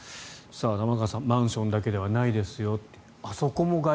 玉川さんマンションだけではないですよ